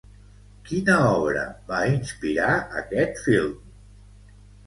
Quina obra va inspirar aquest film?